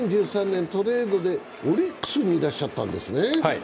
２０１３年、トレードでオリックスにいらっしゃったんですね。